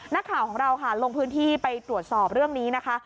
นักข่าวของเราค่ะลงพื้นที่ไปตรวจสอบเรื่องนี้นะคะ